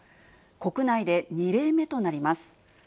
国内で２例目となります。